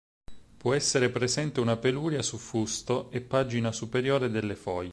Può essere presente una peluria su fusto e pagina superiore delle foglie.